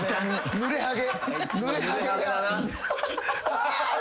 ぬれハゲ。